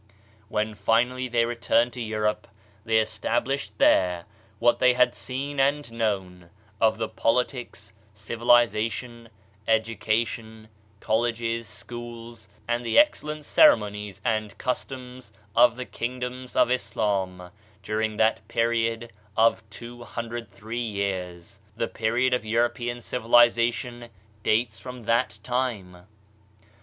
When finally they returned to Europe, they estab lished there what they had seen and known of the politics, civilization, education, colleges, schools, and the excellent ceremonies and cus * toms of the kingdoms of Islam, during that period of 203 years. The period of European civiliza tion dates from that time.